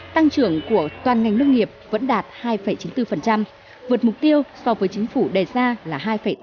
tăng trưởng của toàn ngành nông nghiệp vẫn đạt hai chín mươi bốn vượt mục tiêu so với chính phủ đề ra là hai tám mươi